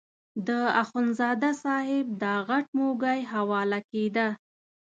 د اخندزاده صاحب دا غټ موږی حواله کېده.